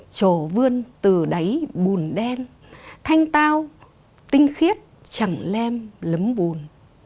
trồ vươn từ đáy bùn đen thanh tao tinh khiết chẳng lem lấm bùn